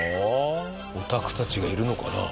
オタクたちがいるのかな。